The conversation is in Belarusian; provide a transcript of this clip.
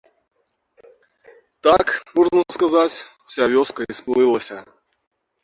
Так, можна сказаць, уся вёска і сплылася.